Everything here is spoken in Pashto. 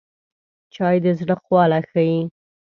چای د زړه خواله ښيي